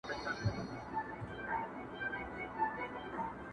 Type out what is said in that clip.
د ُملا په څېر به ژاړو له اسمانه!!